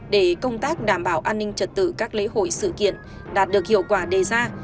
để công tác đảm bảo an ninh trật tự các lễ hội sự kiện đạt được hiệu quả đề ra